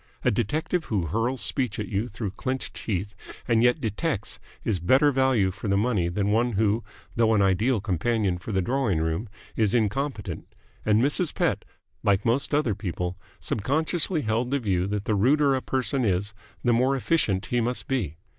A detective who hurls speech at you through clenched teeth and yet detects is better value for the money than one who, though an ideal companion for the drawing room, is incompetent: and Mrs. Pett, like most other people, subconsciously held the view that the ruder a person is the more efficient he must be.